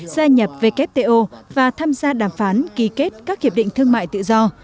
gia nhập wto và tham gia đàm phán ký kết các hiệp định thương mại tự do